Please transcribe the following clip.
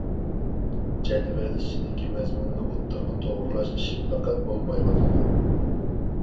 جەدۋەل ئىچىدىكى مەزمۇننى ئوتتۇرىغا توغرىلاش ئىشى پەقەت بولمايۋاتىدۇ.